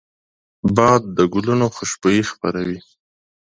باد د ګلونو خوشبويي خپروي